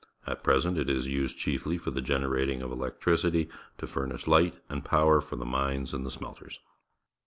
At present it is used chiefly for the generating of electricity to furnish light and power for the mines and the smelters.